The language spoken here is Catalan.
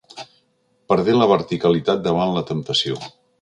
Perdé la verticalitat davant la temptació.